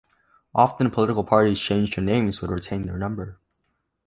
Often political parties change their names but retain their number.